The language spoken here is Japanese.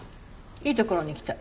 いいところに来た。